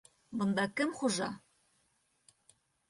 Бында кем хужа?!